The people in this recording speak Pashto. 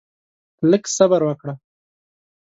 لږ صبر وکړه؛